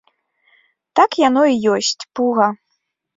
Так яно і ёсць, пуга.